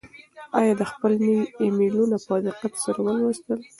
آیا ده خپل نوي ایمیلونه په دقت سره ولوستل؟